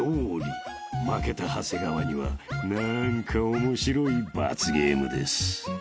［負けた長谷川には何かオモシロい罰ゲームです］